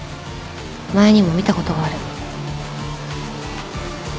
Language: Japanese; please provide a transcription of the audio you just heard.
前にも見たことがある